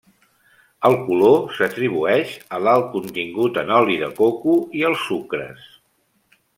El color s'atribueix a l'alt contingut en oli de coco i als sucres.